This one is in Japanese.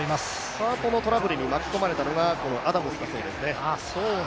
カートのトラブルに巻き込まれたのが、このアダムスだそうですね。